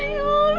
ya ampun ayu